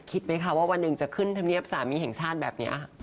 คิดไหมคะว่าวันหนึ่งจะขึ้นธรรมเนียบสามีแห่งชาติแบบนี้